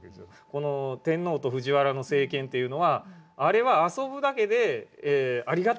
この天皇と藤原の政権っていうのはあれは遊ぶだけでありがたいものである。